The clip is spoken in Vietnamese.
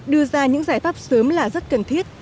đưa ra những giải pháp sớm là rất cần thiết